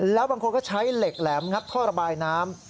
แล้วบางคนก็ใช้เหล็กแหลมงัดท่อระบายน้ำ